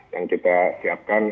yang kita siapkan